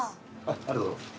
ありがとうございます。